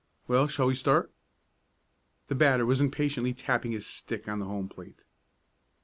Well, shall we start?" The batter was impatiently tapping his stick on the home plate.